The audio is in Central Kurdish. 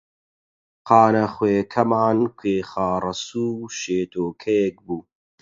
خانەخوێکەمان کوێخا ڕەسوو شێتۆکەیەک بوو